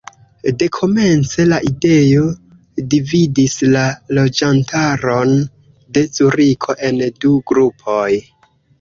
Dekomence la ideo dividis la loĝantaron de Zuriko en du grupoj.